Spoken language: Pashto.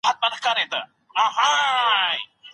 په خپلو پرېکړو کي له احتیاط څخه کار واخلئ.